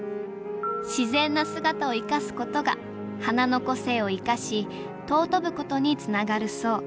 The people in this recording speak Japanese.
自然な姿をいかすことが花の個性をいかし尊ぶことにつながるそう。